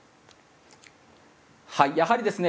やはりですね